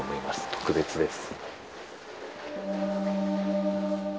特別です。